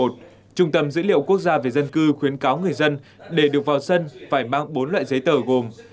trung tâm dữ liệu quốc gia về dân cư khuyến cáo người dân để được vào sân phải mang bốn loại giấy tờ gồm